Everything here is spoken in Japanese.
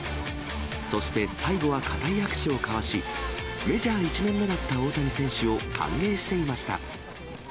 そして最後は固い握手を交わし、メジャー１年目だった大谷選手を歓迎していました。